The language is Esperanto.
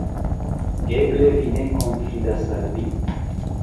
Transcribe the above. Eble vi ne konfidas al mi?